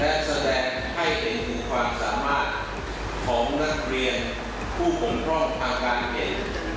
และแสดงให้เป็นความสามารถของนักเรียนผู้คงพร่อมทางการเห็น